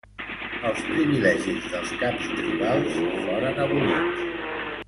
Els privilegis dels caps tribals foren abolits.